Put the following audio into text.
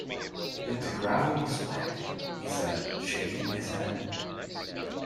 "Yet the gravel was wet," he said, shaking his head.